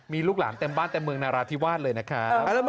มีลูกหลานเต็มบ้านเต็มเมืองนาราธิวาสเลยนะครับ